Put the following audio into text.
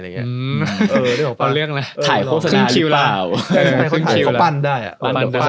เออเรื่องอะไรถ่ายครบสดาหรือเปล่า